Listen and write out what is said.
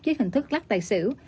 với hình thức lắc tài xỉu